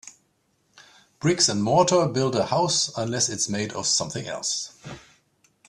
Bricks and mortar build a house, unless it’s made of something else.